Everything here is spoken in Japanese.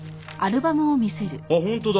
あっ本当だ。